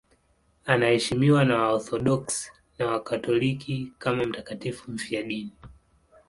Anaheshimiwa na Waorthodoksi na Wakatoliki kama mtakatifu mfiadini.